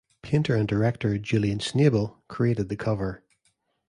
Painter and director Julian Schnabel created the cover.